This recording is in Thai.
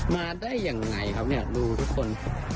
มาได้ยังไงครับเนี่ยดูทุกคน